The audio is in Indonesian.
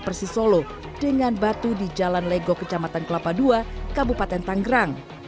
pemain persisolo dengan batu di jalan lego kecamatan kelapa dua kabupaten tangerang